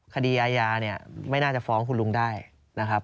คดีอาญาเนี่ยไม่น่าจะฟ้องคุณลุงได้นะครับ